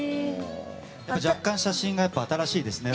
若干、写真が新しいですね。